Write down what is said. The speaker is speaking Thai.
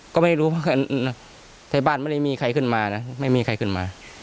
ก็ไม่รู้ว่าในบ้านไม่ได้มีใครขึ้นมานะไม่มีใครขึ้นมา